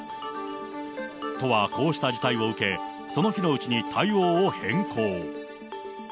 都はこうした事態を受け、その日のうちに対応を変更。